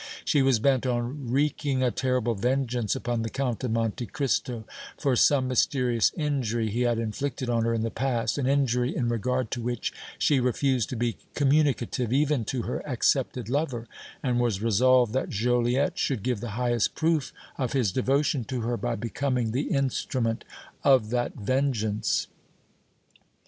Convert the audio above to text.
She was bent on wreaking a terrible vengeance upon the Count of Monte Cristo for some mysterious injury he had inflicted on her in the past, an injury in regard to which she refused to be communicative even to her accepted lover, and was resolved that Joliette should give the highest proof of his devotion to her by becoming the instrument of that vengeance.